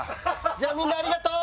じゃあみんなありがとう！